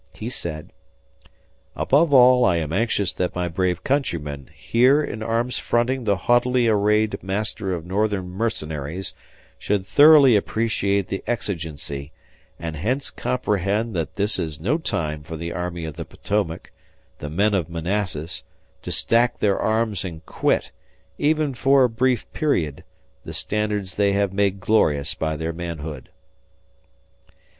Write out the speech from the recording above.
He said: Above all I am anxious that my brave countrymen here in arms fronting the haughtily arrayed master of Northern mercenaries should thoroughly appreciate the exigency, and hence comprehend that this is no time for the Army of the Potomac the men of Manassas to stack their arms and quit, even for a brief period, the standards they have made glorious by their manhood.